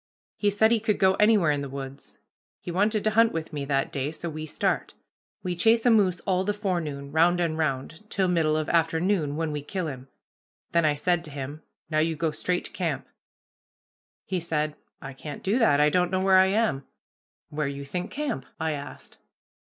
He said he could go anywhere in the woods. He wanted to hunt with me that day, so we start. We chase a moose all the forenoon, round and round, till middle of afternoon, when we kill him. Then I said to him, 'Now you go straight to camp.' "He said, 'I can't do that. I don't know where I am.' "'Where you think camp?' I asked.